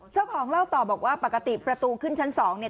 เจ้าของเล่าต่อบอกว่าปกติประตูขึ้นชั้นสองเนี่ย